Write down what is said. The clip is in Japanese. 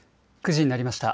９時になりました。